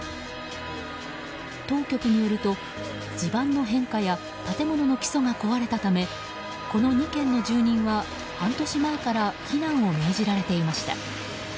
当局によると、地盤の変化や建物の基礎が壊れたためこの２軒の住人は半年前から避難を命じられていました。